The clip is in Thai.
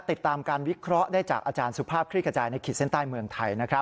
ติดตามการวิเคราะห์ได้จากอาจารณ์สุภาพคริกฝ่ายในคิดเซ็นต์ใต้เมืองไทย